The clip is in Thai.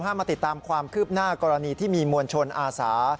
มาติดตามความคืบหน้ากรณีที่มีมวลชนอาสา